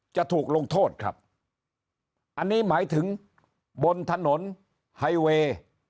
จะถูกลงโทษครับอันนี้หมายถึงบนถนนไฮเวย์